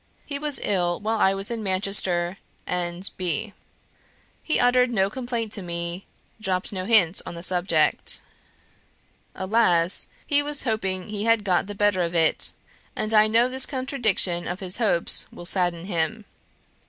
He was ill while I was in Manchester and B . He uttered no complaint to me; dropped no hint on the subject. Alas he was hoping he had got the better of it, and I know how this contradiction of his hopes will sadden him.